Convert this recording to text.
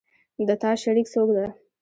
د تا شریک څوک ده